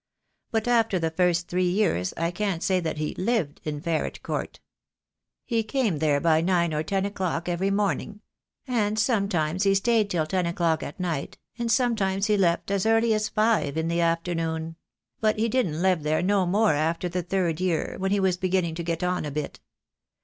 But after the first three years I can't say that he lived in Ferret Court. He came there by nine or ten o'clock every morning; and sometimes he stayed till ten o'clock at night, and sometimes he left as early as five in the afternoon; but he didn't live there no more after the third year, when he was beginning to get on a bit.